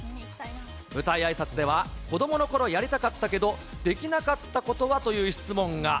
舞台あいさつでは、子どものころやりたかったけど、できなかったことはという質問が。